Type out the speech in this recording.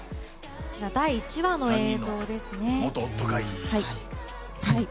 こちら、第１話の映像ですね。